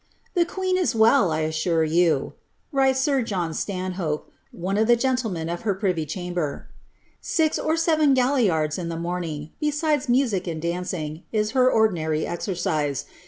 "The (juecii 13 wcti, i assure you," nnli's sir .l"]in Stanhope, one of ihe gentlemen of her privy chamber, "six or seven galliards in a morniug, besides music and singing, is her ordinarv exer cise.'